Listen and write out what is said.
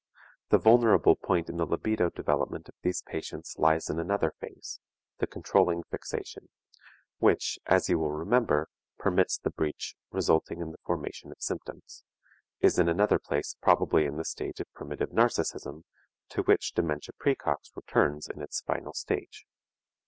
The vulnerable point in the libido development of these patients lies in another phase; the controlling fixation, which, as you will remember, permits the breach resulting in the formation of symptoms, is in another place probably in the stage of primitive narcism, to which dementia praecox returns in its final stage.